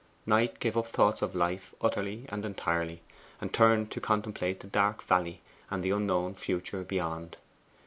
Knight gave up thoughts of life utterly and entirely, and turned to contemplate the Dark Valley and the unknown future beyond.